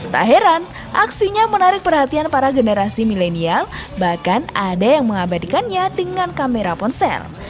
tak heran aksinya menarik perhatian para generasi milenial bahkan ada yang mengabadikannya dengan kamera ponsel